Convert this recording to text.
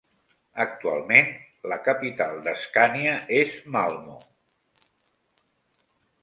Actualment la capital d'Escània és Malmö.